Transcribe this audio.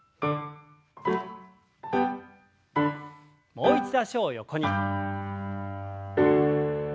もう一度脚を横に。